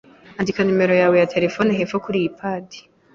Andika numero yawe ya terefone hepfo kuriyi padi.